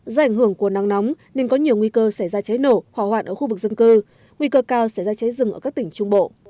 do ảnh hưởng của nắng nóng nên có nhiều nguy cơ xảy ra cháy nổ hỏa hoạn ở khu vực dân cư nguy cơ cao sẽ ra cháy rừng ở các tỉnh trung bộ